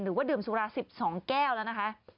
หรือว่าดื่มสุรา๑๒แก้วแล้วนะคะ